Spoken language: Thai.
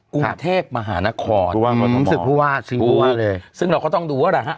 กรุงเทพมหานครอืมศึกผู้วาดศึกผู้วาดเลยซึ่งเราเขาต้องดูว่าอะไรฮะ